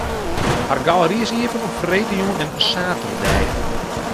Har galery is iepen op freedtejûn en saterdei.